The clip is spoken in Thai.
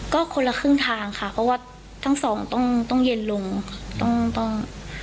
ก็คนละครึ่งทางค่ะเพราะว่าทั้งสองต้องเย็นลง